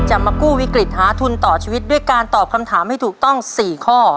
มากู้วิกฤตหาทุนต่อชีวิตด้วยการตอบคำถามให้ถูกต้อง๔ข้อ